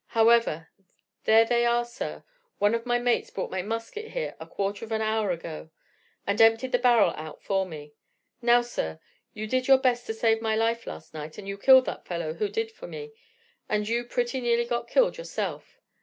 However, there they are, sir. One of my mates brought my musket here a quarter of an hour ago, and emptied the barrel out for me. Now, sir, you did your best to save my life last night, and you killed that fellow who did for me, and you pretty nearly got killed yourself.